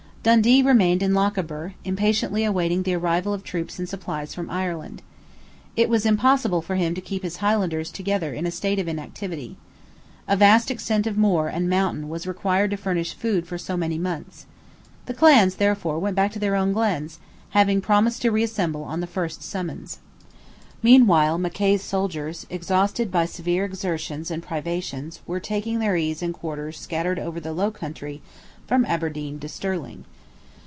Dundee remained in Lochaber, impatiently awaiting the arrival of troops and supplies from Ireland. It was impossible for him to keep his Highlanders together in a state of inactivity. A vast extent of moor and mountain was required to furnish food for so many mouths. The clans therefore went back to their own glens, having promised to reassemble on the first summons. Meanwhile Mackay's soldiers, exhausted by severe exertions and privations, were taking their ease in quarters scattered over the low country from Aberdeen to Stirling.